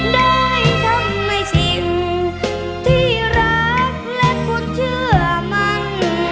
ได้ทำในสิ่งที่รักและคุณเชื่อมั้ง